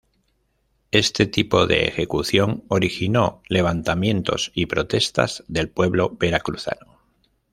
Este tipo de ejecución originó levantamientos y protestas del pueblo veracruzano.